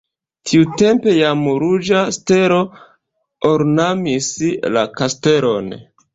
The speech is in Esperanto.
Tiutempe jam ruĝa stelo ornamis la kastelon.